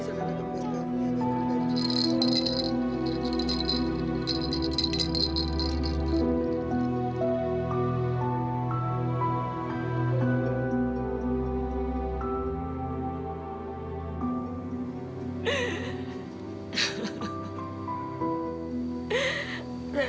sita ini ada